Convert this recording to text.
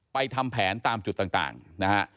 ทำแผนตามจุดต่างนะฮะ